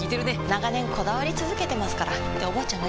長年こだわり続けてますからっておばあちゃん